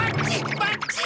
ばっちい！